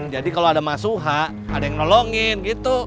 jadi kalau ada masuha ada yang nolongin gitu